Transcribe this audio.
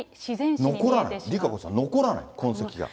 残らない、ＲＩＫＡＣＯさん、残らない、痕跡が。